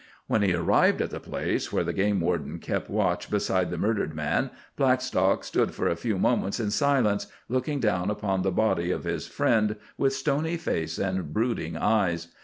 When he arrived at the place where the game warden kept watch beside the murdered man, Blackstock stood for a few moments in silence, looking down upon the body of his friend with stony face and brooding eyes.